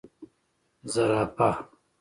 🦒 زرافه